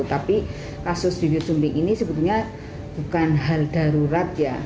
tapi kasus bibir sumbing ini sebetulnya bukan hal darurat ya